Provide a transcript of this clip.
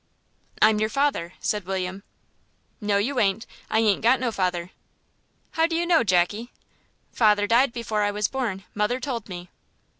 "I'm your father," said William. "No, you ain't. I ain't got no father." "How do you know, Jackie?" "Father died before I was born; mother told me."